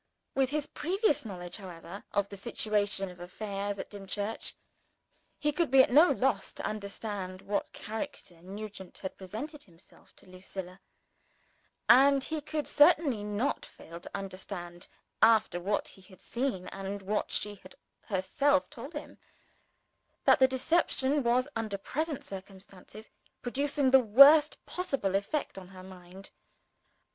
With his previous knowledge, however, of the situation of affairs at Dimchurch, he could be at no loss to understand in what character Nugent had presented himself to Lucilla; and he could certainly not fail to understand after what he had seen and what she had herself told him that the deception was, under present circumstances, producing the worst possible effect on her mind.